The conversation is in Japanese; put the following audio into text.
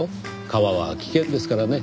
川は危険ですからね。